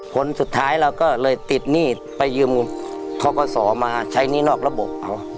ผลสุดท้ายเราก็เลยติดหนี้ไปยืมทกศมาใช้หนี้นอกระบบเอา